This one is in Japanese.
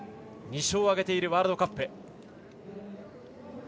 ２勝を挙げているワールドカップ。